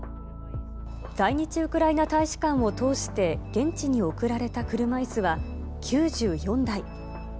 在日ウクライナ大使館を通して現地に送られた車いすは、９４台。